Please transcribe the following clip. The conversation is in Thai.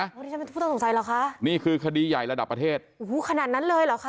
วันนี้ฉันเป็นผู้ต้องสงสัยเหรอคะนี่คือคดีใหญ่ระดับประเทศโอ้โหขนาดนั้นเลยเหรอคะ